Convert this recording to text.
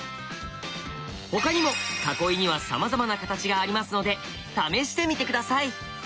他にも囲いにはさまざまな形がありますので試してみて下さい。